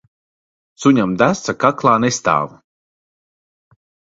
Suņam desa kaklā nestāv.